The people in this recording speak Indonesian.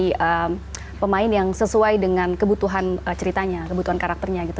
kita memang mencari pemain yang sesuai dengan kebutuhan ceritanya kebutuhan karakternya gitu